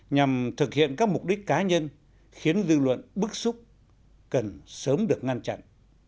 nhằm thực hiện các mục đích cá nhân khiến dư luận bức xúc cần sớm được ngăn chặn